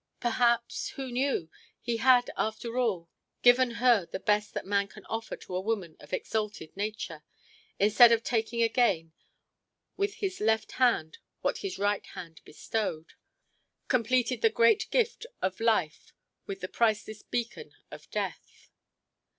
Perhaps who knew? he had, after all, given her the best that man can offer to a woman of exalted nature; instead of taking again with his left hand what his right had bestowed; completed the great gift of life with the priceless beacon of death.